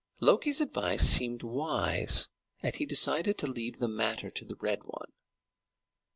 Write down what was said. Loki's advice seemed wise, and he decided to leave the matter to the Red One.